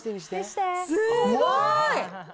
すごい。